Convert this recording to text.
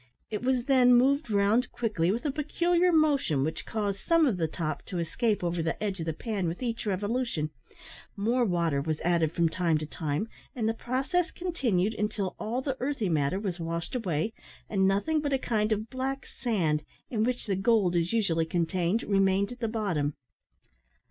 It was then moved round quickly with a peculiar motion which caused some off the top to escape over the edge of the pan with each revolution; more water was added from time to time, and the process continued until all the earthy matter was washed away, and nothing but a kind of black sand, in which the gold is usually contained, remained at the bottom.